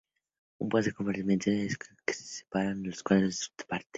Un "paseo de compartimentos" es el que separa los cuadros de un parterre.